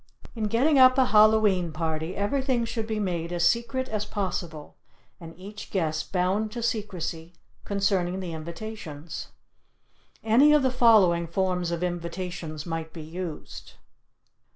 In getting up a Hallow e'en Party everything should be made as secret as possible, and each guest bound to secrecy concerning the invitations. Any of the following forms of invitations might be used.